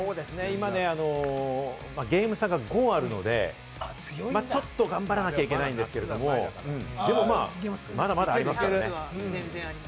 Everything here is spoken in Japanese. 今、ゲーム差が５あるので、ちょっと頑張らなきゃいけないんですけれども、でも、まだまだありますからね。